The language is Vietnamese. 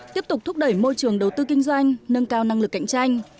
tiếp tục thúc đẩy môi trường đầu tư kinh doanh nâng cao năng lực cạnh tranh